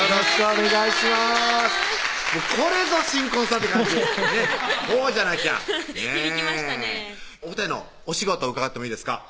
お２人のお仕事伺ってもいいですか？